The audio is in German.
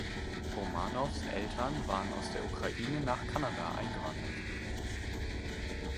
Romanows Eltern waren aus der Ukraine nach Kanada eingewandert.